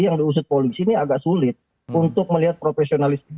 yang diusut polisi ini agak sulit untuk melihat profesionalisme